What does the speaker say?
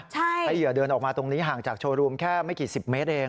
เหยื่อเดินออกมาตรงนี้ห่างจากโชว์รูมแค่ไม่กี่สิบเมตรเอง